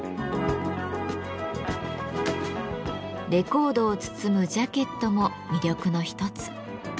レコードを包むジャケットも魅力の一つ。